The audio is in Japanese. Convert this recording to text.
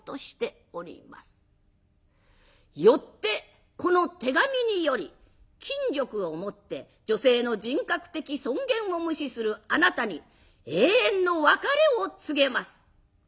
よってこの手紙により金力をもって女性の人格的尊厳を無視するあなたに永遠の別れを告げます。